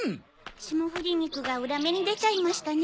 霜降り肉が裏目に出ちゃいましたね。